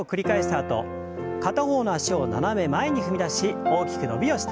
あと片方の脚を斜め前に踏み出し大きく伸びをして。